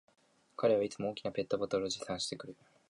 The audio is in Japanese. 彼はいつも大きなペットボトルを持参してくる